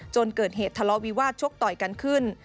เกิดเหตุทะเลาะวิวาสชกต่อยกันขึ้น